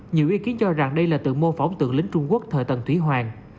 nhiều ý kiến cho rằng đây là tượng mô phóng tượng lính trung quốc thời tầng thủy hoàng